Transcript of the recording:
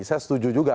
saya setuju juga